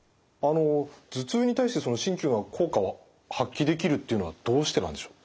頭痛に対してその鍼灸が効果を発揮できるっていうのはどうしてなんでしょう？